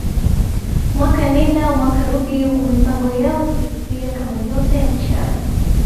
Mwaka nenda mwaka rudi huku mipango yao ikififia kama nyota ya mchana